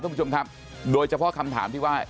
คุณผู้ชมครับโดยเฉพาะคำถามที่ว่า